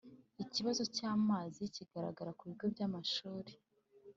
Ikibazo cy’amazi kigarara ku bigo by’amashuri